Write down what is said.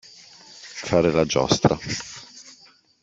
Fare la giostra.